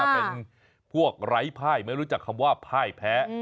เป็นพวกไร้ภายไม่รู้จักคำว่าพ่ายแพ้